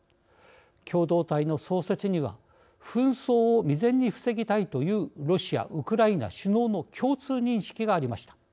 共同体の創設には紛争を未然に防ぎたいというロシア、ウクライナ首脳の共通認識がありました。